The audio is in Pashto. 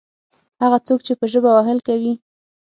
هغه څوک چې په ژبه وهل کوي.